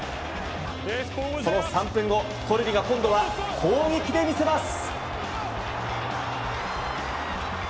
その３分後、コルビが今度は攻撃で見せます。